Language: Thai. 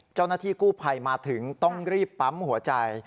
เจ้าหน้าที่กู้ภัยมาถึงต้องรีบปั๊มหัวใจ